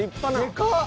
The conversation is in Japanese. でかっ！